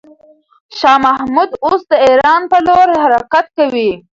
شاه محمود اوس د ایران پر لور حرکت کوي.